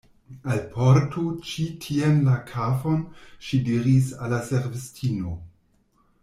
Alportu ĉi tien la kafon, ŝi diris al la servistino.